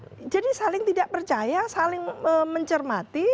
iya jadi saling tidak percaya saling mencermati